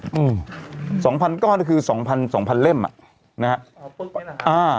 อืมสองพันก้อนก็คือสองพันสองพันเล่มอ่ะนะฮะอ่า